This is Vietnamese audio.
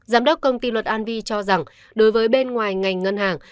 giám đốc công ty luật anvi cho rằng đối với bên ngoài ngành ngân hàng